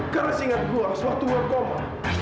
karena seingat gua pas waktu gua koma